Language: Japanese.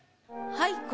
はい。